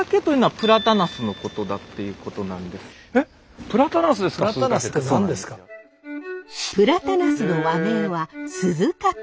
プラタナスの和名はスズカケノキ。